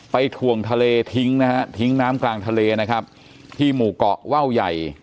ถ่วงทะเลทิ้งนะฮะทิ้งน้ำกลางทะเลนะครับที่หมู่เกาะว่าวใหญ่